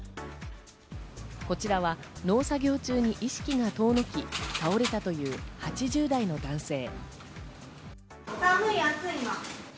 こちらは農作業中に意識が遠のき、倒れたという８０代の男性。